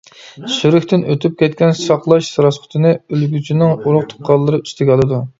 سۈرۈكتىن ئۆتۈپ كەتكەن ساقلاش راسخوتىنى ئۆلگۈچىنىڭ ئۇرۇق-تۇغقانلىرى ئۈستىگە ئالىدۇ.